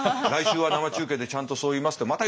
来週は生中継でちゃんとそう言いますと。